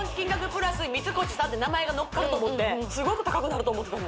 プラス三越さんって名前が乗っかると思ってすごく高くなると思ってたもん